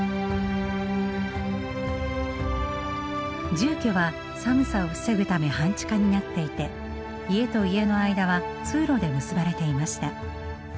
住居は寒さを防ぐため半地下になっていて家と家の間は通路で結ばれていました。